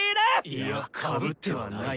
いやかぶってはない。